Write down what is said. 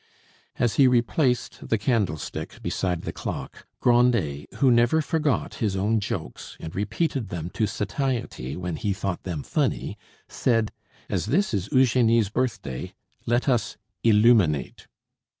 As he replaced the candlestick beside the clock, Grandet, who never forgot his own jokes, and repeated them to satiety when he thought them funny, said, "As this is Eugenie's birthday let us illuminate."